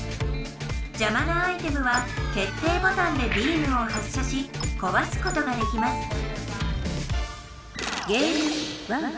じゃまなアイテムは決定ボタンでビームを発射しこわすことができます